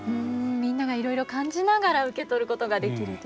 みんながいろいろ感じながら受け取ることができるという。